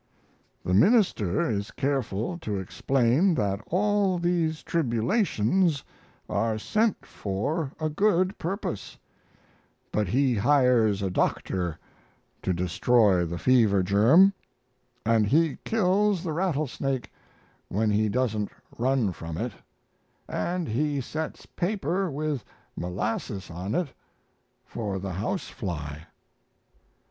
The minister is careful to explain that all these tribulations are sent for a good purpose; but he hires a doctor to destroy the fever germ, and he kills the rattlesnake when he doesn't run from it, and he sets paper with molasses on it for the house fly.